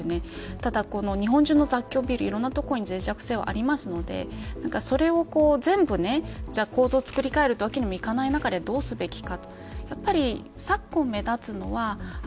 ただ、この日本中の雑居ビルいろんなところに脆弱性はありますのでそれを全部、じゃあ構造を造り変えることができない中でどうするべきか。